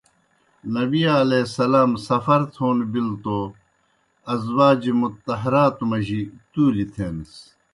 نبی علیہ السلام سفر تھون بِلہ توْ ازواج مطہراتو مجی تُولیْ تھینَس۔